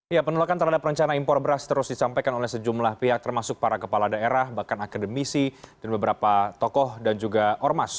ya penolakan terhadap rencana impor beras terus disampaikan oleh sejumlah pihak termasuk para kepala daerah bahkan akademisi dan beberapa tokoh dan juga ormas